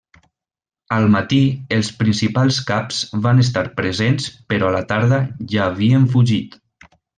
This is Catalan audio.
Al matí els principals caps van estar presents però a la tarda ja havien fugit.